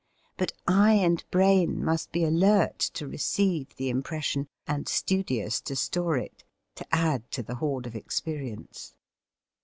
But eye and brain must be alert to receive the impression and studious to store it, to add to the hoard of experience.